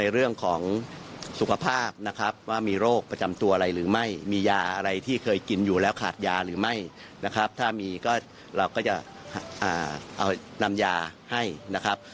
เราก็จะนำยาให้นะครับ